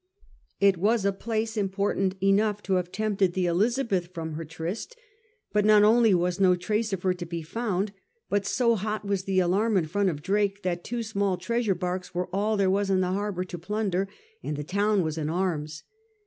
It was a place important enough to have tempted the Elizabeth from her tryst. But not only was no trace of her to be found, but so hot was the alarm in front of Drake that two small treasure barks were all there was in the harbour to plunder, and the town was in arms.